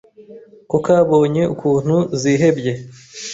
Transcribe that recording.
ko kabonye ukuntu zihebye